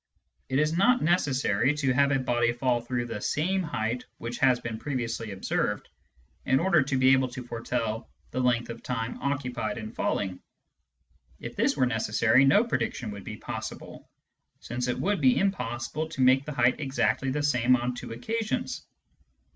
It is not necessary to have a body fall through the same height which has been previously observed, in order to be able to foretell the length of time occupied in falling. If this were necessary, no prediction would be possible, since it would be impossible to make the height exactly the same on two occasions.